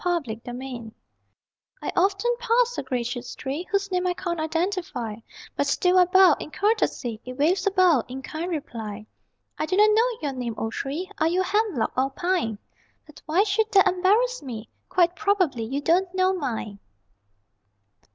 TIT FOR TAT I often pass a gracious tree Whose name I can't identify, But still I bow, in courtesy It waves a bough, in kind reply. I do not know your name, O tree (Are you a hemlock or a pine?) But why should that embarrass me? Quite probably you don't know mine.